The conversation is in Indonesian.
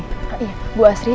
iya bu asri